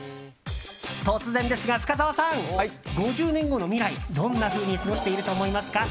突然ですが、深澤さん５０年後の未来、どんなふうに過ごしていると思いますか。